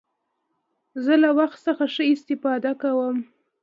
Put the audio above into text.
زه له وخت څخه ښه استفاده کوم.